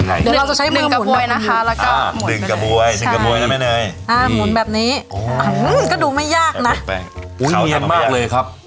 นั่นละค่ะเดี๋ยวเราจะใช้มือหมุน